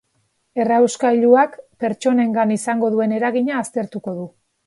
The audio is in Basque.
Errauskailuak pertsonengan izango duen eragina aztertuko du.